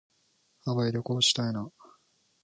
ハワイ旅行したいな。